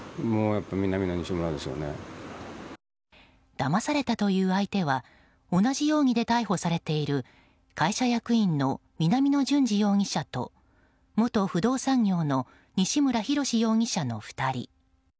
だまされたという相手は同じ容疑で逮捕されている会社役員の南野潤二容疑者と元不動産業の西村浩容疑者の２人。